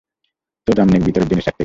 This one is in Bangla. তোর রামনিক ভিতরে জিনিস রাখতে গেছে।